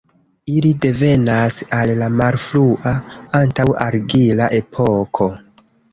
Ili devenas el la malfrua, antaŭ-argila epoko.